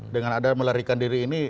dengan ada melarikan diri ini